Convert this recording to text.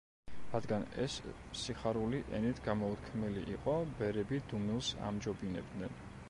რადგან ეს სიხარული ენით გამოუთქმელი იყო, ბერები დუმილს ამჯობინებდნენ.